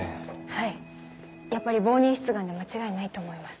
はいやっぱり冒認出願で間違いないと思います。